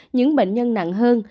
những bệnh nhân nặng hơn